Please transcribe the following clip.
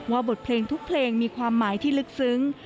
บทเพลงทุกเพลงมีความหมายที่ลึกซึ้ง